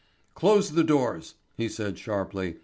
"Close the doors," he said sharply.